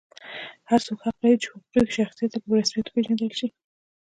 هر څوک حق لري چې حقوقي شخصیت یې په رسمیت وپېژندل شي.